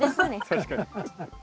確かに。